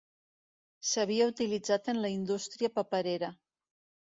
S'havia utilitzat en la indústria paperera.